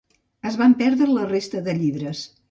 Es van perdre la resta de llibres.